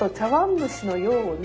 蒸しのような。